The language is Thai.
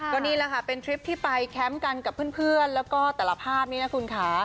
ก็นี่แหละค่ะเป็นทริปที่ไปแคมป์กันกับเพื่อนแล้วก็แต่ละภาพนี้นะคุณค่ะ